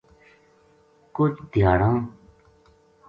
کجھ دھیاڑاں